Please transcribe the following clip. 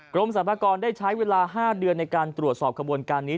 กรมสรรพากรได้ใช้เวลา๕เดือนในการตรวจสอบขบวนการนี้